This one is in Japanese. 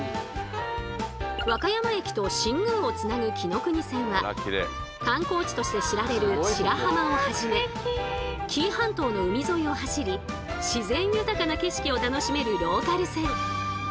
和歌山駅と新宮をつなぐきのくに線は観光地として知られる白浜をはじめ紀伊半島の海沿いを走り自然豊かな景色を楽しめるローカル線。